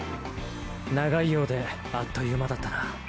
長いようであっという間だったな。